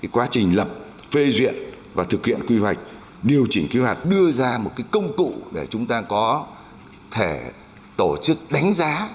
quá trình lập phê duyệt và thực hiện quy hoạch điều chỉnh quy hoạch đưa ra một công cụ để chúng ta có thể tổ chức đánh giá